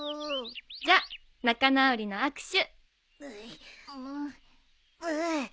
じゃ仲直りの握手。